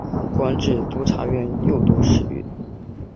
官至都察院右都御史。